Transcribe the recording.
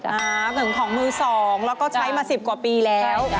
หนึ่งของมือสองแล้วก็ใช้มา๑๐กว่าปีแล้ว